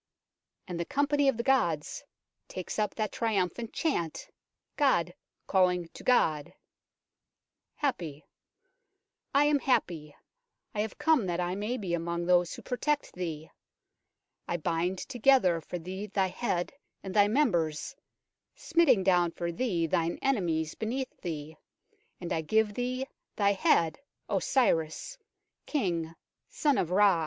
And the company of the gods takes up the triumphant chant, god calling to god. HAPI :" I am Hapi. I have come that I may be among those who protect thee. I bind together for thee thy head, and thy members, smiting down for thee thine enemies beneath thee, and I give thee thy head, O Osiris, King, Son of Ra."